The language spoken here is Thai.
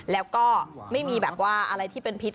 แล้วก็ไม่มีอะไรที่เป็นพิษ